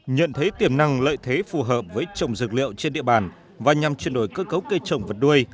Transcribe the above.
nhận thấy tiềm năng lợi thế phù hợp với trồng dược liệu trên địa bàn và nhằm chuyển đổi cơ cấu cây trồng vật nuôi